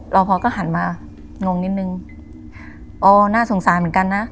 รอพอก็หันมางงนิดนึงอ๋อน่าสงสารเหมือนกันนะ